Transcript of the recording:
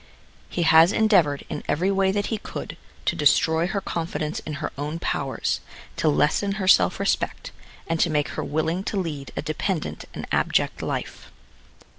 He has endeavored, in every way that he could, to destroy her confi dence in her own powers, to lessen her self respect, and to make her will ing to lead a dependent and abject life.